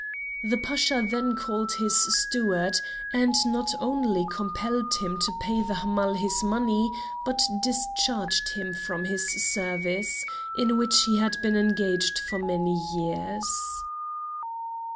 The Pasha then called his steward, and not only compelled him to pay the Hamal his money, but discharged him from his service, in which he had been engaged for many years.